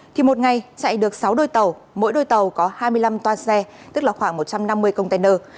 thì một ngày chạy được sáu đôi tàu mỗi đôi tàu có hai mươi năm toa xe tức là khoảng một trăm năm mươi container